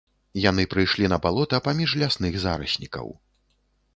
Яны прыйшлі на балота, паміж лясных зараснікаў.